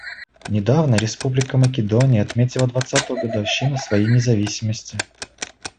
Недавно Республика Македония отметила двадцатую годовщину своей независимости.